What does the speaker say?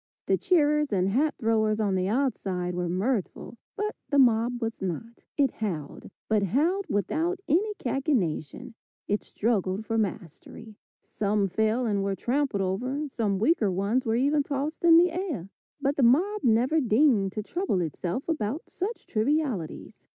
The cheerers and hat throwers on the outside were mirthful, but the mob was not; it howled, but howled without any cachinnation; it struggled for mastery. Some fell and were trampled over, some weaker ones were even tossed in the air, but the mob never deigned to trouble itself about such trivialities.